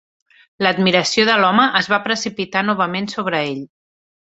L'admiració de l'home es va precipitar novament sobre ell.